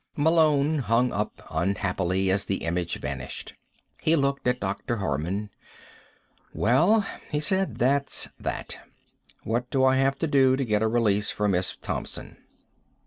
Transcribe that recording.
Malone hung up unhappily as the image vanished. He looked at Dr. Harman. "Well," he said, "that's that. What do I have to do to get a release for Miss Thompson?"